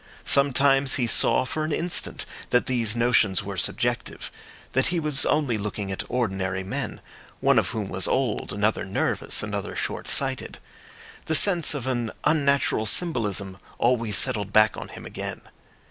Sometimes he saw for an instant that these notions were subjective, that he was only looking at ordinary men, one of whom was old, another nervous, another short sighted. The sense of an unnatural symbolism always settled back on him again.